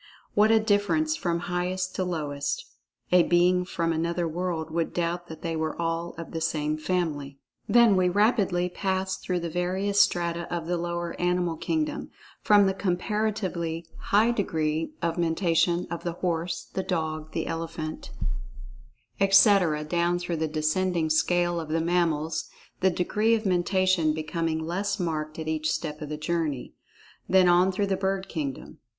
What a difference from highest to lowest—a being from another world would doubt that they were all of the same family. Then we pass rapidly through the various strata of the lower animal kingdom—from the comparatively high degree of Mentation of the horse, the dog, the elephant, etc., down through the descending scale of the mammals, the degree of Mentation becoming less marked at each step of the journey. Then on through the bird kingdom.